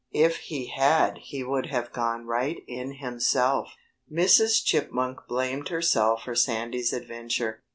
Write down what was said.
If he had he would have gone right in himself. Mrs. Chipmunk blamed herself for Sandy's adventure.